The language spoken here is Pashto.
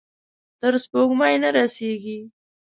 تر سپوږمۍ نه رسیږې